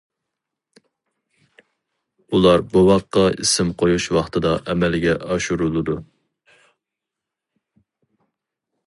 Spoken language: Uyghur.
ئۇلار بوۋاققا ئىسىم قويۇش ۋاقتىدا ئەمەلگە ئاشۇرۇلىدۇ.